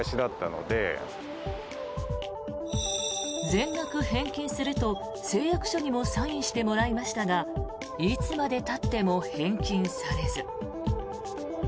全額返金すると、誓約書にもサインしてもらいましたがいつまでたっても返金されず。